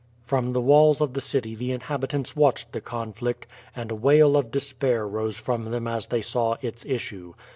From the walls of the city the inhabitants watched the conflict, and a wail of despair rose from them as they saw its issue.